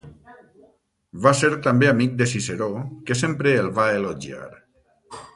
Va ser també amic de Ciceró que sempre el va elogiar.